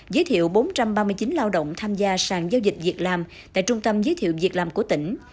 giới thiệu bốn trăm ba mươi chín lao động tham gia sàn giao dịch việc làm tại trung tâm giới thiệu việc làm của tỉnh